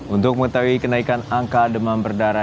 untuk mengetahui kenaikan angka demam berdarah